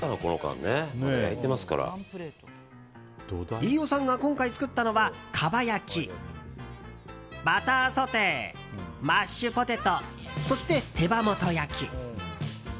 飯尾さんが今回作ったのはかば焼き、バターソテーマッシュポテトそして、手羽元焼き。